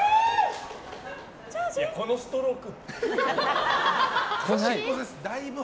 このストローク。